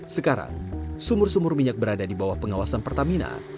sekarang sumur sumur minyak berada di bawah pengawasan pertamina